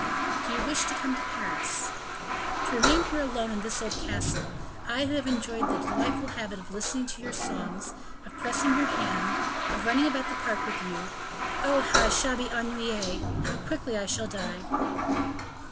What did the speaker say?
"Do you wish to come to Paris?" "To remain here alone, in this old castle, I who have enjoyed the delightful habit of listening to your songs, of pressing your hand, of running about the park with you. Oh! how I shall be ennuyee! how quickly I shall die!"